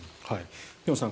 辺さん